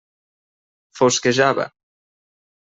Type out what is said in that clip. Fosquejava.